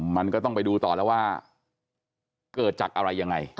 มันก็ต้องไปดูต่อแล้วว่าเกิดจากอะไรยังไง